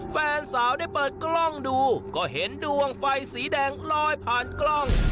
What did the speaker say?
แฟนสาวได้เปิดกล้องดูก็เห็นดวงไฟสีแดงลอยผ่านกล้อง